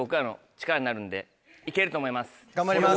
頑張ります。